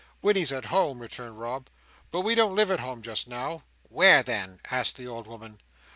"When he's at home," returned Rob; "but we don't live at home just now." "Where then?" asked the old woman.